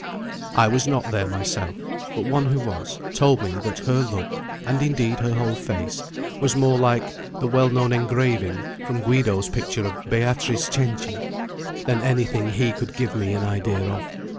I was not there myself; but one who was, told me that her look, and indeed her whole face, was more like the well known engraving from Guido's picture of "Beatrice Cenci" than any thing else he could give me an idea of.